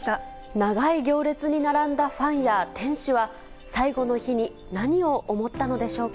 長い行列に並んだファンや店主は、最後の日に何を思ったのでしょうか。